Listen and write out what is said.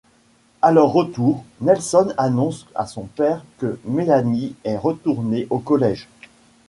À leur retour, Nelson annonce à son père que Melanie est retournée au collège.